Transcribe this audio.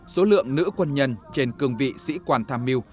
số lượng nữ quân nhân trên cương vị sĩ quan tham mưu